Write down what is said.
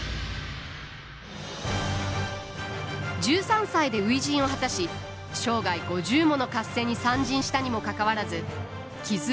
１３歳で初陣を果たし生涯５０もの合戦に参陣したにもかかわらず傷一つ負わなかったという忠勝。